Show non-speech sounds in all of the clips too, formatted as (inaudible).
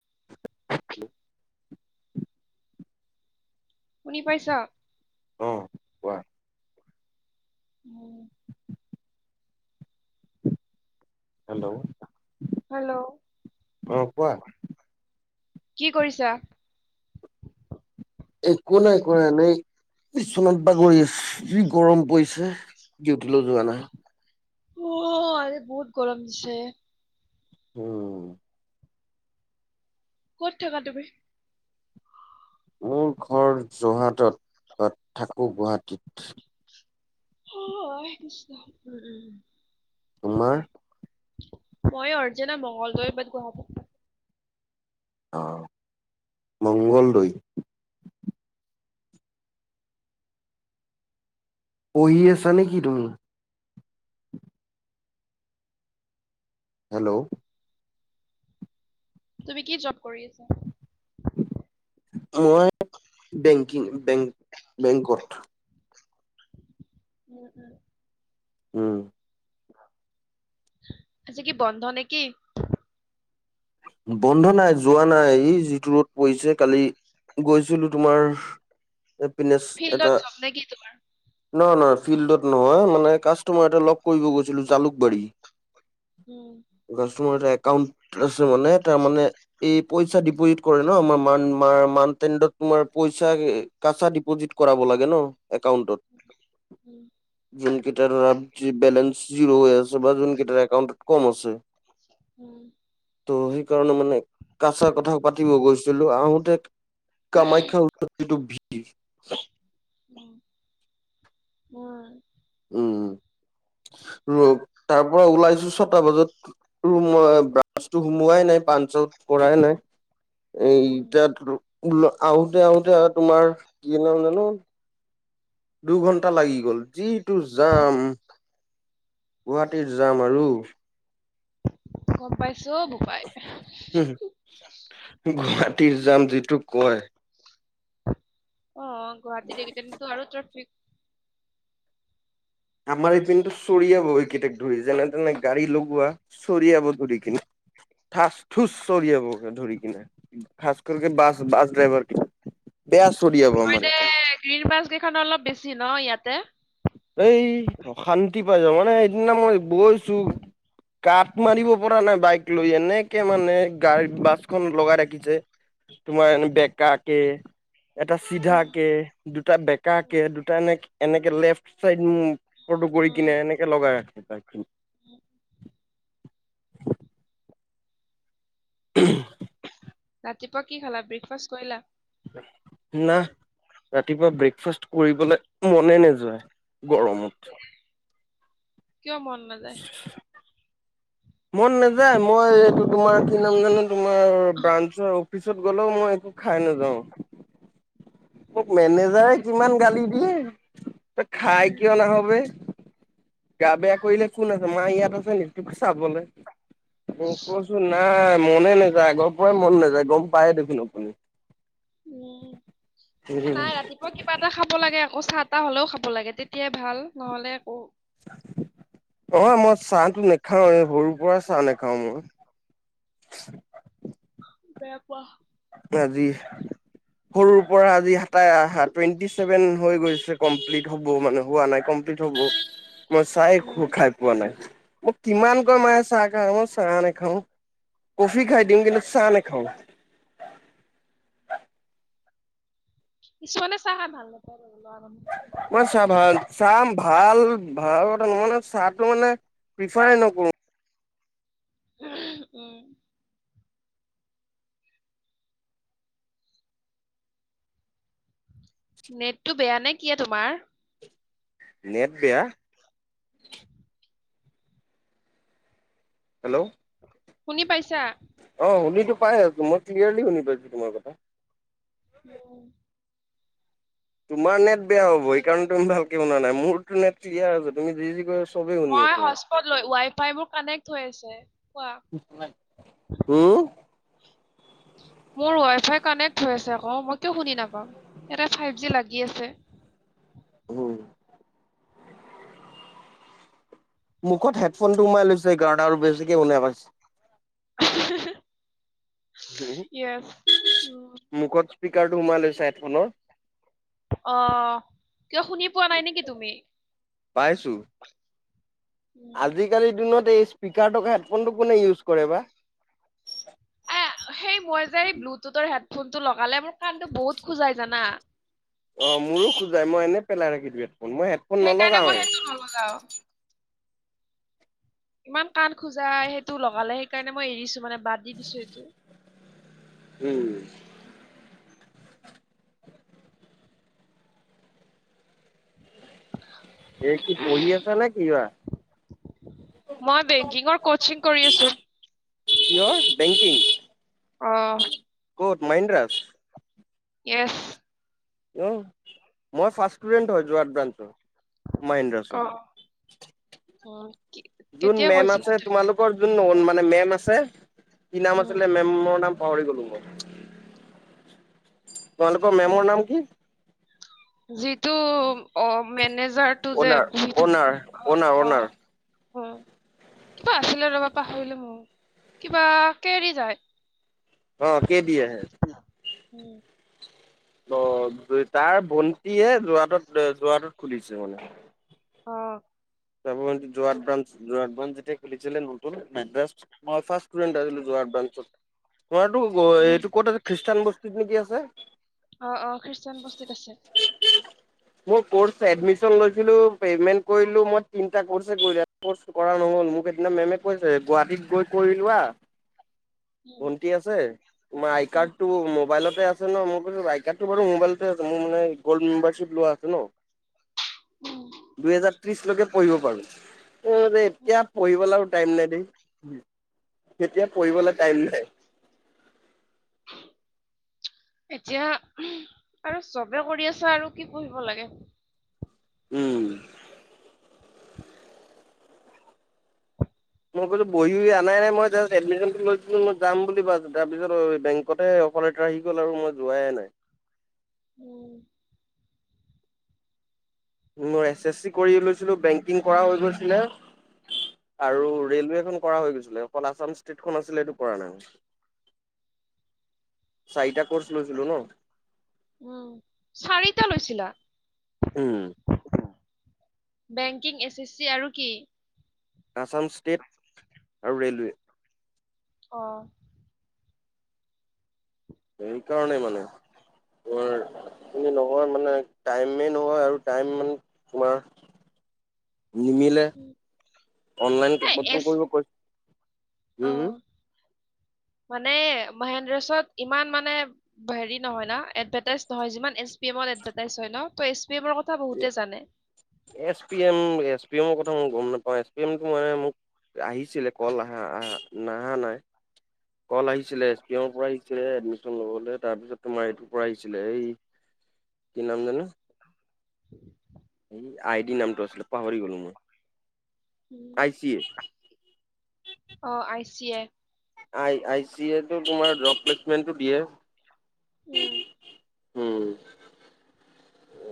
(inaudible) শুনি পাইছ? অ। উম হেল্ল' হেল্ল' অ, কোৱা কি কৰিছা? একো নাই কৰা, এনে বিচনাত বাগৰি আছো। যি গৰম পৰিছে, ডিউটিলৈ যোৱা নাই। উ আ, অজি বহুত গৰম দিছে। উম। ক'ত থাকা তুমি? মোৰ ঘৰ যোৰহাটত, তাত থাকোঁ গুৱাহাটীত। হয়-হয়ছ, উম-উম তোমাৰ? মই অৰ্জুনা মঙলদৈ, বাট গুৱাহাটী থাকো। আহ, মংগলদৈ পঢ়ি আছা নেকি তুমি? হেল্ল' তুমি কি জব? (inaudible) মই বেংকিং, বে বেংকত উম-উম উম আজি কি বন্ধ নেকি? বন্ধ নাই, যোৱা নাই, ই যিটো ৰ'দ পৰিছে কালি গৈছিলোঁ, তোমাৰ সেইপিনেছ ফিল্ডত এটা জব নেকি তোমাৰ? নহয়-নহয়, ফিল্ডত নহয়, মানে কাষ্টমাৰ এটা লগ কৰিব গৈছিলো জালুকবাৰী। উম, কাষ্টমাৰ এটা একাউন্ট আছে মানে, তাৰ মানে এই পইচা দিব টু লেট কৰে ন, ম-মান-মান-মানতেন্দট তোমাৰ পইচা কাচা ডিপজি কৰাব লাগে ন একাউণ্টত, উম, যোনকেইটাৰ নামছি বেলেন্স জিৰৌ হৈ আছে বা যোনকেইটাৰ একাউণ্টত কম আছে উম ত' সেইকাৰণে মানে, কাছাৰ কথা পাতিব গৈছিলোঁ আহোতে কামাখ্যাৰ টো ভিৰ উম (inaudible) ৰ, তাৰ পৰা ওলাইছো ছটা বজাত, ৰুমৰ এ বাছটো সুমোৱাই নাই পাচ সঞ্চল কৰায়ে নাই। এই, উম। এতিয়া ওলাই আহোতে-আহোতে, তোমাৰ কি নাম জানো? দুঘন্টা লাগি গ'ল, যিটো যাম গুৱাহাটীত যাম আৰু অ, পাই উম, গুৱাহাটীৰ যাম যিটো কয় অ, গুৱাহাটীত এনিটাইম টো আৰু ট্ৰেফিক আমাৰ এইপিনেতো চৰিয়াব এইকেইটাক ধৰি, যেনে-তেনে গাড়ী লগোৱা, চৰিয়াব ধৰি কিনে ঠাচ-থুচ, চৰিয়াব ধৰি কিনে, খাচকৰকে বাছ- বাছ ড্ৰাইভাৰ কেইটাক হয় দে, গ্ৰীণ বাছ কেইখন অলপ বেছি ন, ইয়াতে এই, অশান্তি পাই যাওঁ, মানে সেইদিনা মই গৈছো কাত মাৰিব পৰা নাই বাইক লৈ, এনেকে মানে গাড়ীত বাছখন লগাই ৰাখিছে। তোমাৰ বেকাকে এটা উম, চিধাকে, দুটা উম, বেকাকে, দুটা এনে এনেকে লেফট চাইড। ফটো কৰি উম, কিনে এনেকে লগাই আ তিনি। উম। (inaudible) ৰাতিপুৱা কি খালা ব্ৰেকফাষ্ট কৰিলা। না ৰাতিপুৱা ব্ৰেকফাষ্ট কৰিবলৈ মনে নেযাই। গৰমত। কিয় মন নাযায়। মন নাযায় মই এইটো তোমাৰ কি নাম জানো তোমাৰ ব্ৰাঞ্চৰ। পিছত গ'লেও মই একো খাই নাযাওঁ। মোক মেনেজাৰে কিমান গালি দিয়ে। তই খাই উম কিয় নাহ বে গা বেয়া কৰিলে কোন আছে মা ইয়াত আছে নেকি ত। চাবলৈ মই কৈ চো নাই। মনে নাযায় আগৰ পৰাই মন নাযায় গম পায়েই দেখোন আপুনি। উম উম, নাই ৰাতিপুৱা কিবা এটা খাব লাগে আকৌ চাট। টা হ'লেও খাব লাগে তেতিয়াই ভাল নহ'লে একো। অ মই চাহটো নাখাও এই সৰুৰ পৰা চাহ নাখাও মই। বেয়া পোৱা। আজি সৰুৰ পৰা আজি হাতা টুৱেন্টি চছেভেন হৈ গৈছে কমপ্লিট হ'ব মানে হোৱা নাই কমপ্ল হব। মই চাই উম খো খাই পোৱা নাই মোক কিমানকৈ মায়ে চাহ খা মই। চাহ নে খাওঁ কফি খাই দিওঁ কিন্তু চাহ নে খাওঁ। কিছুমানে চাহ খায় ভাল নাপৰে বাৰো। মই চাহ ভাল। চাহ ভাল ভাল কথা নহানে চাহটো মানে প্ৰিফাৰ নকৰোঁ। উম। নেটটো বেয়া নে কি তোমাৰ। নেট বেয়া। হেল্ল'। শুনি পাইছা। অ শুনি টো পাই আছো মই ক্লিয়াৰলি শুনি পাইছো তোমাৰ কথা। উম। তোমাৰ নেট বেয়া হ'ব সেইণে তুমি ভালকে বনা শুনা নাই মোৰতো নেট ক্লিয়াৰ আছে তুমি যি যি কৈ আছ। মই হস্পত লৈ ৱাই ফাই মোৰ কানেক্ট হৈ আছে কোৱা। হম। (unintelligible) মোৰ ৱাইা ফাই কানেক্ট হৈ আছে আক মই কিয় শুনি নাপাম ইয়াতে ফাইভ জি লাগি আছে। উম! মুখত হেডফোন টো সমাই লৈছে গাৰ্ডা আৰু বেছিকে শুন পাইছে। পাইছে। য়েছ। উম মুখত স্পীকাৰটো সোমাই লৈছে হেডফোনৰ। আহ কিয় শুনি পোৱা নাই নেকি তুমি? পাইছো। উম, আজিকালিৰ দিনত এই স্পীকাৰ থকা হেডফোনটো কোনে ইউজ কৰে বা। এ সেই মই যে এই অ', ব্লুটুথৰ হেত। ফোনটো লগালে মোৰ কাণটো বহুত খোজাই জানা। অ মোৰো খোজাই মই এনেই পেলাই নখি দিো হেডফোন মই হেডফোন সেইকাৰণে মই নলগাওৱে। সেইটো নলগাও ইমান কাণ খোজা সেইটো লগালে সেইকাৰণে মই এৰিছো মানে বাদ দি দিছো এইটো। উম। এই কি পঢ়ি আছা নে কিবা মই বেংকিংৰ কচিং। কৰি আছো। কি হয় বেংকিং। অ। কত মহেন্দ্ৰাত। ইয়েচ। অঁ। মই ফাৰ্ষ্ট ষ্টোডেণ্ট হয় যোৰহাট ব্ৰাঞ্চৰ অ মাহেন্দ্ৰাছৰ। উম, কি- যোন কেতিয়া মেম কৈছিলা আছে তুমি? তোমালোকৰ যোন মানে মেম আছে কি নাম উম, আছিলে মেমৰ নাম। পাহৰি গলোঁ মই তোমালোকৰ উম। মেমৰ নাম কি? যিটো অ মেনেজ। টোযে অনাৰ অনাৰ অনাৰ অ অনাৰ হম। কিবা আছিলে ৰবা পাহৰিলো মোৰ কিবা কে এৰি যায়। অ কে দিয়ে আহে। উম! অ তাৰ ভণ্টিয়ে যোৰহাট যোৰহাটত খুলিছে মানে। অঁ। চাব যোৰহাট ব্ৰাঞ্চ যোৰহাট। যেতিয়া খুলিছিলে নতুন মেদ্ৰাজ মই ফাষ্ট ষ্টোদেন্ত আছিলোঁ যোৰহাট ব্ৰাঞ্চত। তোমাৰতো উম, এইটো ক'ত আ খ্ৰীষ্টান বস্তিত নে কি আছে। অ অ খ্ৰীষ্টান বস্তিট ত আছে। মোৰ কৰ্ছ এডমিচন লৈছিলোঁ পেমেন্ত কৰিলোঁ মই। তিনিটা কৰ্ছে কৰিলে কৰা নহল মোক সেইদিনা মেমে কৈছে গুৱাহাটীত গৈ কৰি লোৱা। (unintelligible) ভণ্টি আছে তোমাৰ আই উম, কাৰ্ড টো মোবাইলতে আছে। ন মই কৈছোঁ আই কাৰ্ডটো বাৰু মোৰ মোবাইলতে আছে মোৰ মানে গল্ড মেম্বাৰশ্বিপ লোৱা আছে ন। উম, দুহেজাৰ ত্ৰিশলৈকে পঢ়িব পাৰো উম, এতিয়া পঢ়িব লা। টাইম নাই দেই তেতিয়া পঢ়িবলৈ টাইম নাই। (unintelligible) এতিয়া আৰু চবে কৰি আছে আৰু কি পঢ়িব লাগে। উম। মই কৈছো বহি অহি অনাই নাই মই জাষ্ট এডমিশনটো লৈছিলো মই যাম বুলি ভছো তাৰপিছত বেংকতহে। অকলে ট্ৰাই সি কলে মই যোৱাই নাই। উম। মোৰ এছ এছ চি কৰি লৈছিলো বেংকিং কৰা হৈ গৈছিলে আৰু উম, ৰেলৱে এখন কৰা হৈ গৈছিলে অকল আছাম টেত খন আছিলে সেইটো কৰা নাই মই চাৰিটা কৰ্চ লৈছিলো ন উম চাৰিটা লৈছিলা উম বেংকিং এছ এছ চি আৰু কি আছাম ষ্টেট আৰু ৰে'লৱে অ সেইকাৰণেই মানে তোমাৰ নহয় মানে টাইমেই নহয় আৰু টাইম মানে তোমাৰ (inaudible) নিমিলে অনলাইন এই বুকিং এছ কৰিব পাৰি অ মানে মহেন্দ্ৰছত ইমান মানে হেৰি নহয় ন এডভেটাইজ নহয় যিমান এছ পি এ অকল এডভেটাইজ হয় ন ত পি এমৰ কথা বহুতে উম জানে। S P M S P এমৰ কথা মই গম নাপাওঁ এছ পি এমটো মানে মোক আহিছিলে কল আহে আহে নহা নহয় কল আহিছিলে এছ পি এমৰ পৰা আহিছিলে এডমিচন লবলে তাৰপিছত তোমাৰ এইটোৰ পৰা আহিছিলে এই কি নাম জানো এই আই ডি নামটো আছিলে পাহৰি গলো মই উম। আই চি এ অ I C A I I C A তো তোমাৰ ড্ৰপ ৰিকোৱেনটো দিয়ে উম উম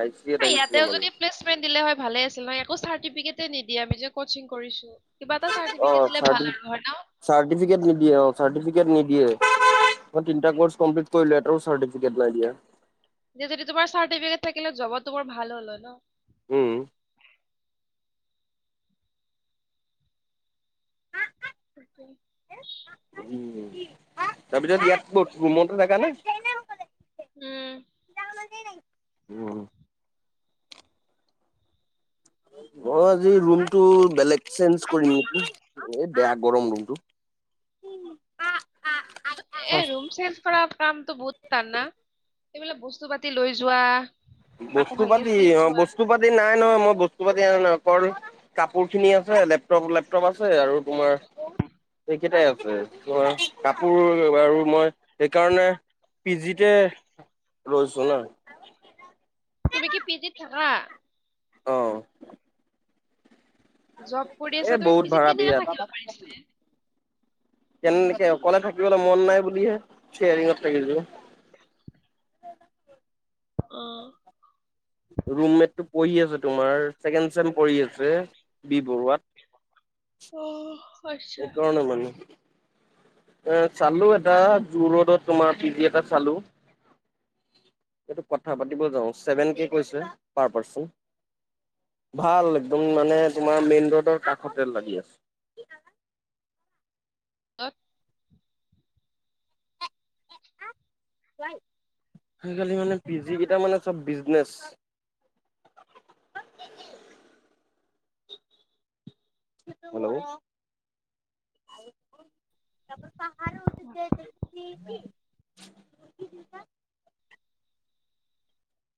আই চি এত এইয়াতে আহিছিলে মানে যদি পেলেচমেন দিলে হয় ভালে আছিলে একো চাৰ্টিফিকেটে নিদিয়ে আমি যে কচিং কৰিছো কিবা এটা অ চাৰ্টিফিকেট দিলে ভাল আৰু হয় ন? চাৰ্টিফি নিদিয়ে অ চাৰ্টিফিকেট নিদিয়ে নিদিয়ে মই তিনিটা কৰ্চ কম্পিলিট কৰিলো এটাও চাৰ্টিফিকেট নাই দিয়া যে যদি তোমাৰ চাৰ্টিফিকেট থাকিলে জবো তোমাৰ ভাল হ'ল হয় ন উম তাকে উম তাৰপিছত ইয়াত কত ৰুমতে থাকা নে উম উম অ আজি ৰুমটো বেলেগ চেঞ্জ কৰিম নিকি এই বেয়া গৰম ৰুমটো (unintelligible) এ ৰুম চেঞ্চ কৰাৰ কামটো বহুত টান না এইবিলাক বস্তু পাতি লৈ যোৱা আকৌ বস্তু ভালকে পাতি চিফ্ট অ হোৱা বস্তু পাতি নাই নহয় মই বস্তু বস্তু পাতি আ নাপা ন কাপোৰ খিনি আছে লেপটপ লেপটপ আছে আৰু তোমাৰ এ কেইটাই আছে মই কাপোৰ আৰু মই সেইকাৰণে পি জিতে লৈছো ন তুমি কি পিজিত থাকা অহঁ জব কৰি আছা তুমি বহুত পিজিত ভাড়া কেনেকে বিৰাট থাকিব পাৰিছে ইয়ে চিয়েৰিং ত থাকিলো (unintelligible) অহ ৰুমমেট টো পঢ়ি আছে তোমাৰ ছেকেণ্ড চেম পঢ়ি আছে বি বৰুৱাত উম এই ক ন মানে (unintelligible) এ চালো এটা জোৰ ৰ'ডত তোমাৰ পি জি এটা চালো এইটো কথা পাতিব যাওঁ চছেভেন কে কৈছিল পাৰ পাৰ্চন (unintelligible) ভাল একদম মানে তোমাৰ মেইন ৰোডৰ কাষতে লাগি আছে (inaudible) সাত আজিকালি মানে পি জি কেইটা মানে চব বিজনেচ (inaudible) হেল্ল' ত পাহাৰ (unintelligible)